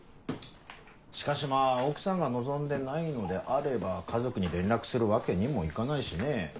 しかしまぁ奥さんが望んでないのであれば家族に連絡するわけにもいかないしねぇ。